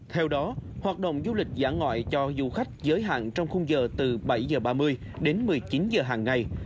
theo đó hoạt động du lịch dã ngoại cho du khách giới hạn trong khung giờ từ bảy h ba mươi đến một mươi chín h hàng ngày